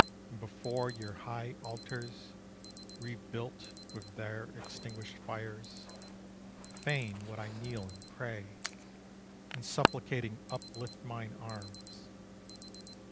And before your high altars, Rebuilt with their extinguished fires, Fain would I kneel and pray, And supplicating uplift mine arms.